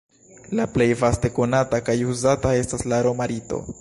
La plej vaste konata kaj uzata estas la roma rito.